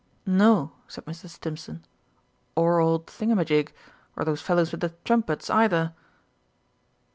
"No," said Mr. Stimpson, "or old Thingumagig, or those fellows with the trumpets either."